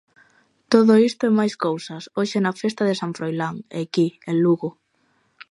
Todo isto e máis cousas, hoxe nas festa de San Froilán, aquí, en Lugo.